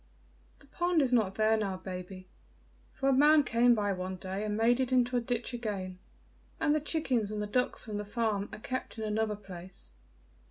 "The pond is not there now, baby, for a man came by one day and made it into a ditch again; and the chickens and the ducks from the farm are kept in another place.